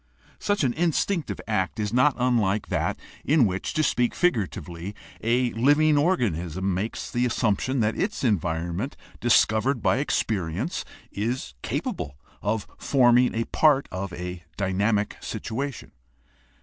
Such an instinctive act is not 38 GUIDE TO STUDY OF CHRISTIAN RELIGION unlike that in which, to speak figuratively, a living organism makes the assumption that its environment discovered by experience is capable of forming a part of a dynamic situation.